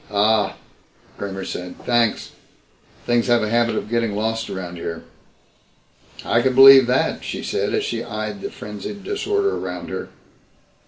"Ah," Kramer said. "Thanks. Things have a habit of getting lost around here." "I can believe that," she said as she eyed the frenzied disorder around her.